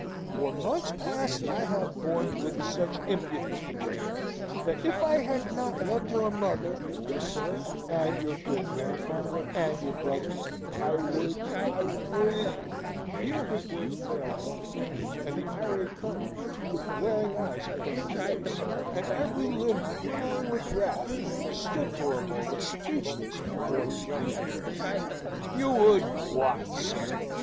For months past, I have borne with such impudence from you, that if I had not loved your mother yes, sir, and your good grandfather and your brother I would I would " Here his words failed him, and the irate Colonel, with glaring eyes and purple face, and every limb quivering with wrath, stood for a moment speechless before his young enemy. "You would what, sir?"